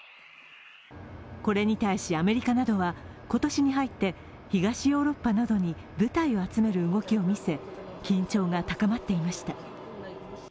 これに対しアメリカなどは今年に入って東ヨーロッパに舞台を集める動きを見せ、緊張が高まっていました。